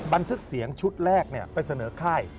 บันทึกเสียงชุดแรกไปเสนอค่าย